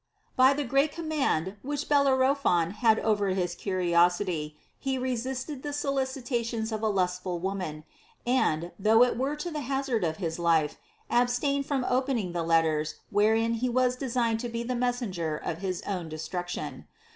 By the great command which Bellerophon had over his curiosity, he resisted the solicitations of a lustful woman, and (though it were to the hazard of his life) abstained from opening the letters wherein he was designed to be the messenger of his own destruction.